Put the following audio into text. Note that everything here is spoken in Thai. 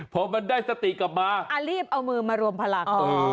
จะรับกาหลุนกัน